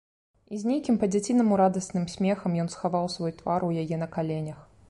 І з нейкім па-дзяцінаму радасным смехам ён схаваў свой твар у яе на каленях.